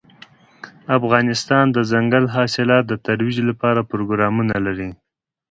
افغانستان د دځنګل حاصلات د ترویج لپاره پروګرامونه لري.